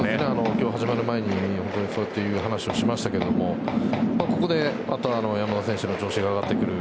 今日始まる前にそういう話をしましたけどここでまた山田選手の調子が上がってくる。